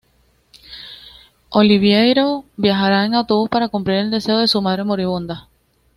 Oliverio viajará en autobús para cumplir el deseo de su madre moribunda.